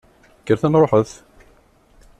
Kkret, ad nṛuḥet!